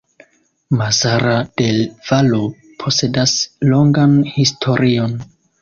Mazara del Vallo posedas longan historion.